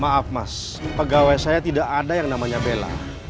maaf mas pegawai saya tidak ada yang namanya bela